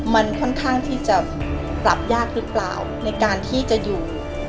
มันค่อนข้างที่จะปรับยากหรือเปล่าในการที่จะอยู่